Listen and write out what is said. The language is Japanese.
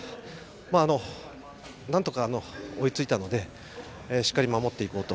なんとか追いついたのでしっかり守っていこうと。